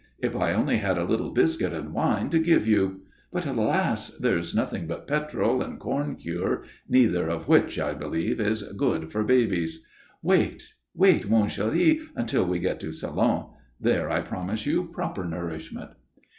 If I only had a little biscuit and wine to give you; but, alas! there's nothing but petrol and corn cure, neither of which, I believe, is good for babies. Wait, wait, mon chèri, until we get to Salon. There I promise you proper nourishment."